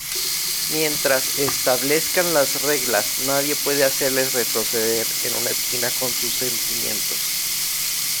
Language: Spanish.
Mientras establezcan las reglas, nadie puede hacerles retroceder en una esquina con sus sentimientos.